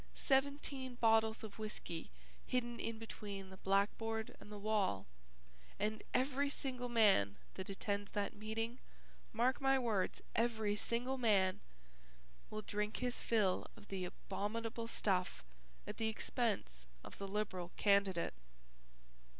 Seventeen bottles of whiskey hidden in between the blackboard and the wall, and every single man that attends that meeting, mark my words, every single man, will drink his fill of the abominable stuff at the expense of the Liberal candidate!"